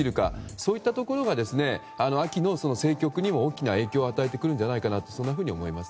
そういったところが秋の政局にも大きな影響を与えるとそんなふうに思います。